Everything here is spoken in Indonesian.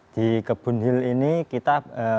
di kebun hill ini kita